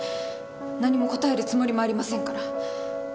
何も答えるつもりもありませんから。